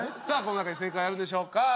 さあこの中に正解はあるんでしょうか？